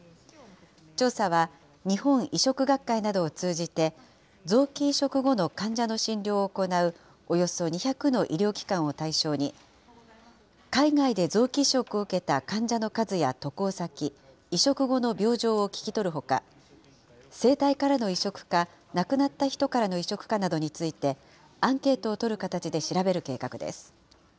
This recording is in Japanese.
調査は、日本移植学会などを通じて、臓器移植後の患者の診療を行うおよそ２００の医療機関を対象に、海外で臓器移植を受けた患者の数や渡航先、移植後の病状を聞き取るほか、生体からの移植か、亡くなった人からの移植かなどについて、アンケートを取る形で調べる計画です。